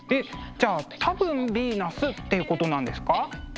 じゃあ多分ヴィーナスっていうことなんですか？